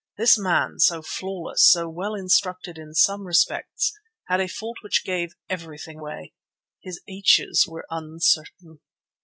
This man, so flawless, so well instructed in some respects, had a fault which gave everything away. His h's were uncertain.